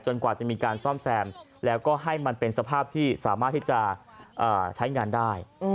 กว่าจะมีการซ่อมแซมแล้วก็ให้มันเป็นสภาพที่สามารถที่จะใช้งานได้